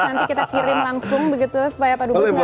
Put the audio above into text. nanti kita kirim langsung begitu supaya pak dubes nggak